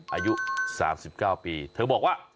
อายุ๓๙ปีเธอบอกว่า